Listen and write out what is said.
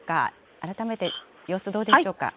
改めて様子どうでしょうか。